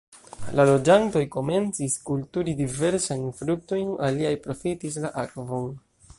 La loĝantoj komencis kulturi diversajn fruktojn, aliaj profitis la akvon.